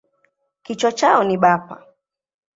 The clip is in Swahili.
Kichwa chao ni bapa.